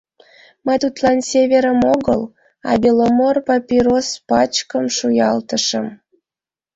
Мый тудлан «Северым» огыл, а «Беломор» папирос пачкым шуялтышым.